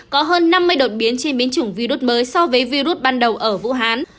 có hơn năm mươi đột biến chi biến chủng virus mới so với virus ban đầu ở vũ hán